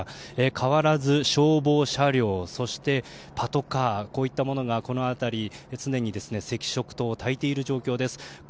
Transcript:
変わらず消防車両そしてパトカーといったものがこの辺り、常に赤色灯をたいている状況です。